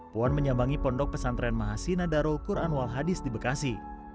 puan menyambangi pondok pesantren mahasinadaro quran walhadis di bekasi